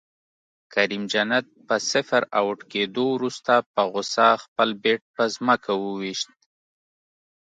کریم جنت په صفر اؤټ کیدو وروسته په غصه خپل بیټ په ځمکه وویشت